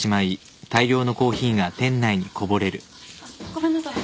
ごめんなさい。